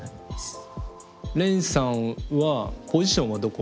ｒｅｎさんはポジションはどこ？